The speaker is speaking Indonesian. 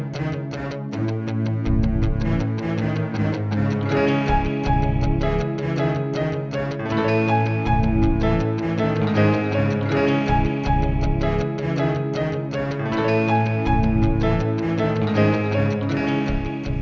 biar dia berpikir